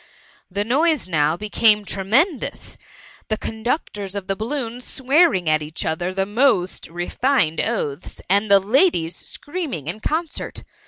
The noise now became tremendous ; the con ductors of the balloons swearing at each other the most refined oaths, and the ladies screaming in concert.